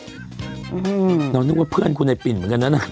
อือฮือน้องนึกว่าเพื่อนคุณไอ้ปิ่นเหมือนกันน่ะนะ